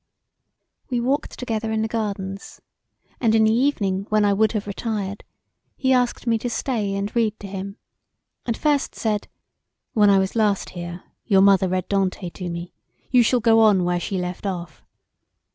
We walked together in the gardens and in the evening when I would have retired he asked me to stay and read to him; and first said, "When I was last here your mother read Dante to me; you shall go on where she left off."